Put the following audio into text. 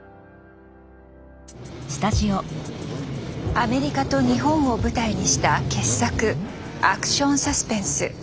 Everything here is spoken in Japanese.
アメリカと日本を舞台にした傑作アクションサスペンス